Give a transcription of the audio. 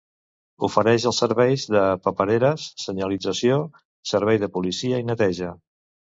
Ofereix els serveis de papereres, senyalització, servei de policia i neteja.